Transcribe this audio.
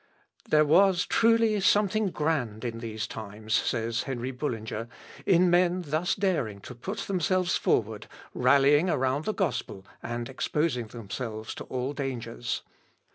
"There was truly something grand in these times," says Henry Bullinger, "in men thus daring to put themselves forward, rallying around the gospel, and exposing themselves to all dangers.